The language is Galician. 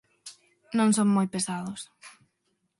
Non son moi pesados.